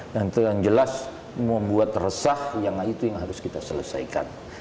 yang jelas membuat resah yang itu yang harus kita selesaikan